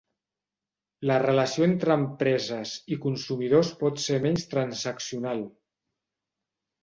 La relació entre empreses i consumidors pot ser menys transaccional.